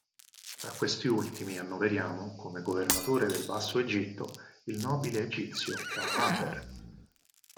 Tra questi ultimi annoveriamo, come governatore del Basso Egitto, il nobile egizio Ka'aper.